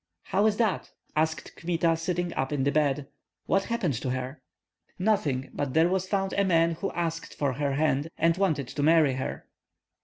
"How is that?" asked Kmita, sitting up in the bed; "what happened to her?" "Nothing; but there was found a man who asked for her hand and wanted to marry her."